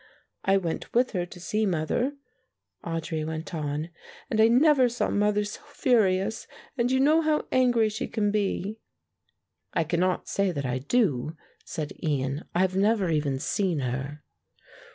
I went with her to see mother," Audry went on, "and I never saw mother so furious, and you know how angry she can be." "I cannot say that I do," said Ian, "I have never even seen her."